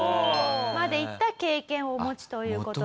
までいった経験をお持ちという事で。